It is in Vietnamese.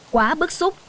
quá bức xúc